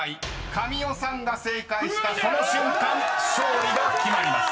神尾さんが正解したその瞬間勝利が決まります］